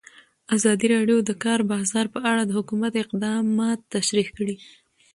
ازادي راډیو د د کار بازار په اړه د حکومت اقدامات تشریح کړي.